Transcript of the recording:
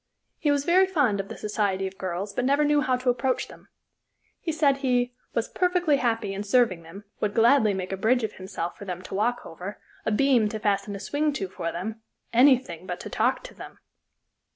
He was very fond of the society of girls, but never knew how to approach them. He said he "was perfectly happy in serving them, would gladly make a bridge of himself for them to walk over, a beam to fasten a swing to for them anything but to talk to them."